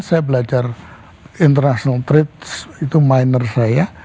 saya belajar international trade itu minor saya